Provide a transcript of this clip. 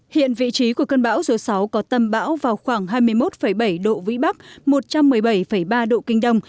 hiện vị trí của cơn bão số sáu có tâm bão vào khoảng hai mươi một bảy độ vĩ bắc một trăm một mươi bảy ba độ kinh đông